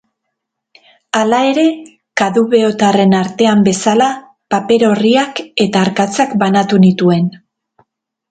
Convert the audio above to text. Hala ere, caduveotarren artean bezala, paper-orriak eta arkatzak banatu nituen.